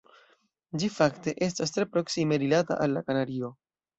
Ĝi fakte estas tre proksime rilata al la Kanario.